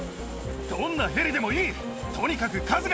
どんなヘリでもいい。